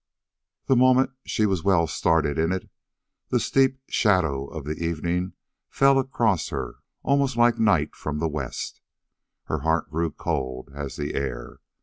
The moment she was well started in it and the steep shadow of the evening fell across her almost like night from the west, her heart grew cold as the air.